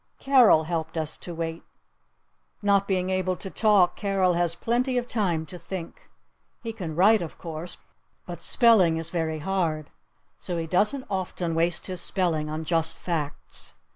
Carol helped us to wait. Not being able to talk, Carol has plenty of time to think. He can write, of course. But spelling is very hard. So he doesn't often waste his spelling on just facts.